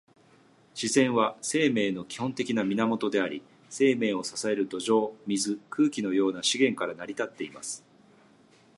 自然は、生命の基本的な源であり、生命を支える土壌、水、空気のような資源から成り立っています。